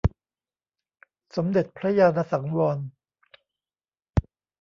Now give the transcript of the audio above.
สมเด็จพระญาณสังวร